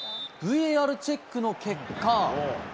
ＶＡＲチェックの結果。